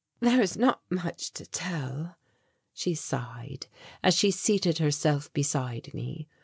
"There is not much to tell," she sighed, as she seated herself beside me.